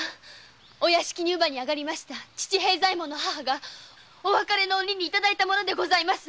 お屋敷に乳母にあがりました父平左衛門の母がお別れの折に頂いたものです。